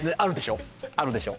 あるでしょ？